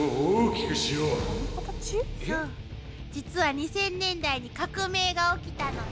実は２０００年代に革命が起きたの。